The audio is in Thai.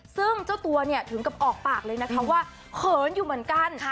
ซึ่งเจ้าตัวเนี่ยถึงกับออกปากเลยนะคะว่าเขินอยู่เหมือนกัน